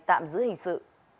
tạm giữ hình sự